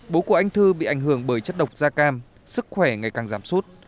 bố của anh thư bị ảnh hưởng bởi chất độc da cam sức khỏe ngày càng giảm sút